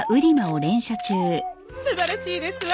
素晴らしいですわ！